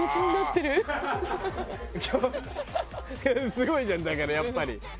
すごいじゃんだからやっぱり。